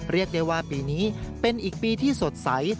เรียกได้ว่าปีนี้เป็นอีกปีที่สดใส